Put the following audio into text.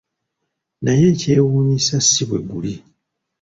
Naye ekyewuunyisa si bwe guli!